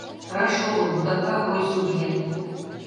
Раш огыл, вудака ой-сугынет.